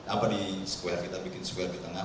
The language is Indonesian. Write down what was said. apa di squarel kita bikin square di tengah